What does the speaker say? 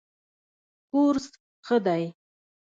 کورس ښه دی.